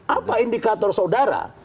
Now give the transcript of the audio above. apa indikator saudara